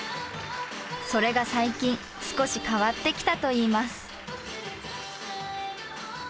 それが最近少し変わってきたといいます。